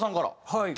はい。